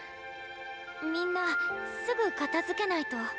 みんなすぐ片づけないと。